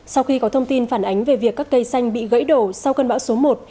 sau khi có thông tin phản ánh về việc các cây xanh bị gãy đổ sau cơn bão số một